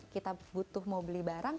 kita butuh mau beli barang